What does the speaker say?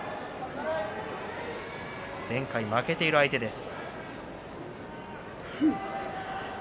前回、負けている相手です。